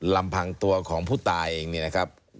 ลำพังตัวของผู้ตายอย่างนี้นะครับ